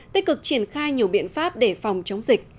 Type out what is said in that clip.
tích cực triển khai nhiều biện pháp để phòng chống dịch